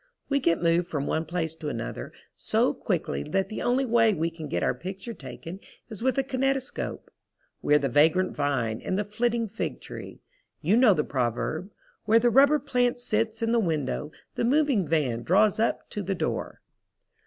We get moved from one place to another so quickly that the only way we can get our picture taken is with a kinetoscope. We are the vagrant vine and the flitting fig tree. You know the proverb: "Where the rubber plant sits in the window the moving van draws up to the door."